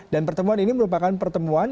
dan pertemuan ini merupakan pertemuan